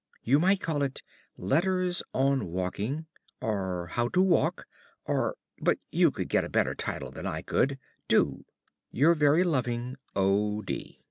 You might call it "Letters on Walking," or "How to Walk," or but you could get a better title than I could. Do! Your very loving, O.